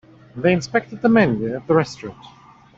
They inspected the menu at the restaurant.